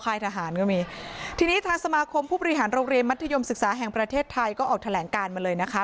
ทหารก็มีทีนี้ทางสมาคมผู้บริหารโรงเรียนมัธยมศึกษาแห่งประเทศไทยก็ออกแถลงการมาเลยนะคะ